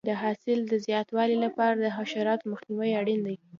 د حاصل د زیاتوالي لپاره د حشراتو مخنیوی اړین دی.